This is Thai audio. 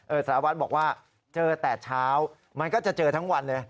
สารวัตรบอกว่าเจอแต่เช้ามันก็จะเจอทั้งวันเลย